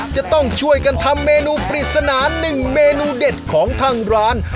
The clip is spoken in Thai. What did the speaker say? จะต้องช่วยกันทำเมนูปริศนาหนึ่งเมนูเด็ดของทางร้าน